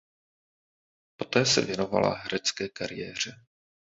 Poté se věnovala herecké kariéře.